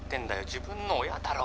自分の親だろ。